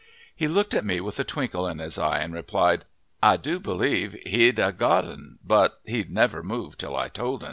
He looked at me with a twinkle in his eye and replied, "I do b'lieve he'd ha' got 'n, but he'd never move till I told 'n."